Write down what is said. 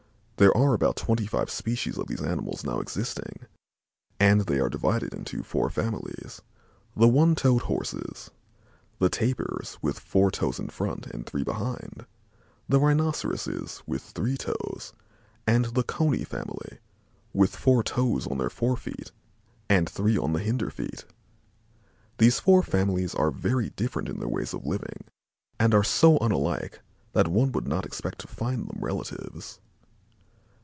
There are about twenty five species of these animals now existing and they are divided into four families, the one toed Horses, the tapirs with four toes in front and three behind; the rhinoceroses with three toes, and the cony family with four toes on their fore feet and three on the hinderfeet. These four families are very different in their ways of living and are so unlike that one would not expect to find them relatives.